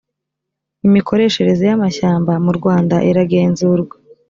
imikoreshereze y ‘amashyamba mu rwanda iragenzurwa.